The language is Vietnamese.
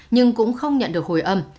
nhưng cũng không nhận được hồi âm